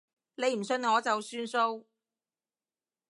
你唔信我就算數